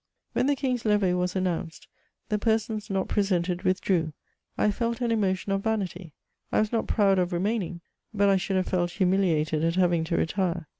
When the king's levee was announced, the persons not pre sented withdrew. I felt an emotion of vanity ; I was not proud of remaining, but I should have felt humiliated at having to retire.